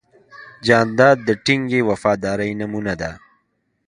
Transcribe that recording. جانداد د ټینګې وفادارۍ نمونه ده.